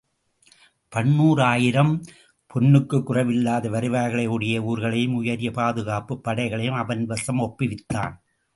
பன்னூறாயிரம் பொன்னுக்குக் குறைவில்லாத வருவாய்களை உடைய ஊர்களையும் உயரிய பாதுகாப்புப் படைகளையும் அவன் வசம் ஒப்புவித்தான்.